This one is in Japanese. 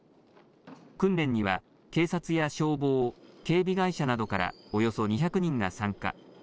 訓練には、警察や消防、警備会社などからおよそ２００人が参加。